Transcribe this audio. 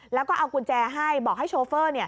แล้วก็เอากุญแจให้บอกให้โชเฟอร์